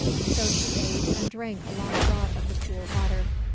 So she ate, and drank a long draught of the cool water.